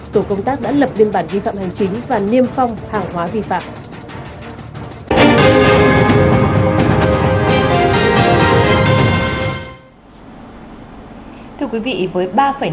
tổ công tác đã lập biên bản vi phạm hành chính và niêm phong hàng hóa vi phạm